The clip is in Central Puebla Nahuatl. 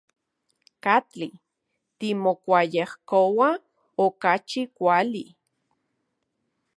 ¿Katli timokuayejkoua okachi kuali?